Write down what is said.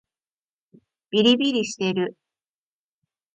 びりびりしてる